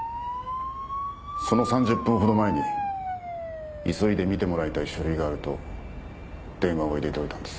その３０分ほど前に急いで見てもらいたい書類があると電話を入れておいたんです。